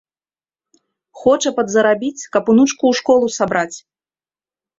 Хоча падзарабіць, каб унучку ў школу сабраць.